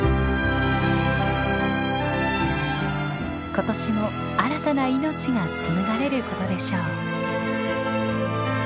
今年も新たな命が紡がれることでしょう。